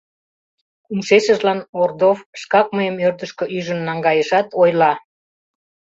Кумшешыжлан Ордов шкак мыйым ӧрдыжкӧ ӱжын наҥгайышат, ойла: